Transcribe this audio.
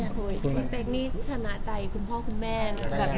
พี่เป็กนี่ชนะใจคุณพ่อคุณแม่แบบไหนบ้าง